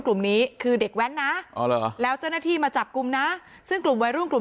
กลุ่มนี้คือเด็กแว้นนะแล้วเจ้าหน้าที่มาจับกลุ่มนะซึ่งกลุ่มวัยรุ่นกลุ่ม